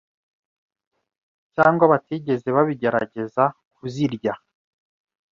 cyangwa batigeze babigerageza kuzirya